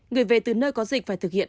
người về từ nơi có dịch phải thực hiện